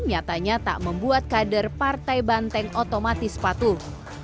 nyatanya tak membuat kader partai banteng otomatis patuh